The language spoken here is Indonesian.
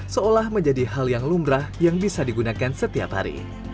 seolah menjadi hal yang lumrah yang bisa digunakan setiap hari